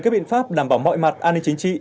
các biện pháp đảm bảo mọi mặt an ninh chính trị